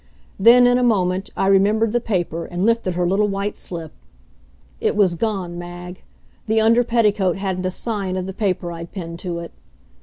Then, in a moment, I remembered the paper and lifted her little white slip. It was gone, Mag. The under petticoat hadn't a sign of the paper I'd pinned to it.